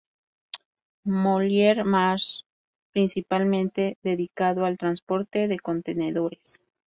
Møller-Mærsk, principalmente dedicado al transporte de contenedores.